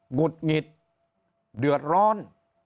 หุดหงิดเดือดร้อน